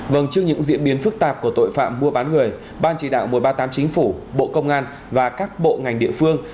vâng trước những diễn biến phức tạp của tội phạm mua bán người ban chỉ đạo một trăm ba mươi tám chính phủ bộ công an và các bộ ngành địa phương